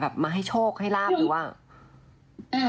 มาให้โชคให้ลาบหรือว่า